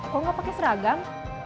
kok gak pakai seragam